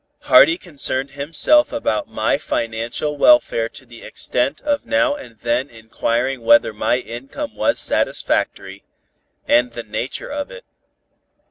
Hardy concerned himself about my financial welfare to the extent of now and then inquiring whether my income was satisfactory, and the nature of it.